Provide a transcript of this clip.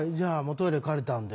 「トイレ借りたんで」？